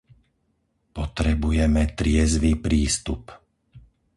Potrebujeme triezvy prístup.